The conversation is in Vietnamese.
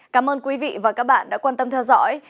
cảm ơn quý vị và các bạn đã quan tâm theo dõi